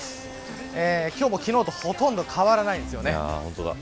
今日も昨日とほとんど変わらないです。